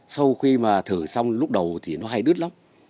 sau khi mà thử xong lúc đầu thì nó hay đứt lắm